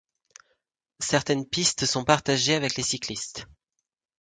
Certaines pistes sont partagées avec les cyclistes.